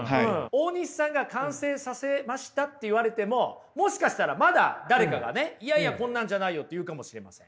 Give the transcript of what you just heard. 大西さんが完成させましたって言われてももしかしたらまだ誰かがねいやいやこんなんじゃないよって言うかもしれません。